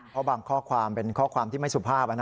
เพราะบางข้อความเป็นข้อความที่ไม่สุภาพ